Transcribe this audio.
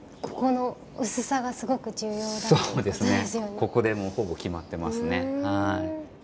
ここでもうほぼ決まってますね。